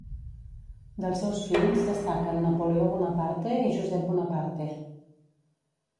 Dels seus fills destaquen Napoleó Bonaparte i Josep Bonaparte.